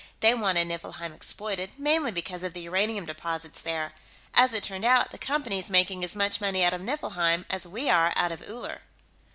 They wanted Niflheim exploited, mainly because of the uranium deposits there. As it turned out, the Company's making as much money out of Niflheim as we are out of Uller."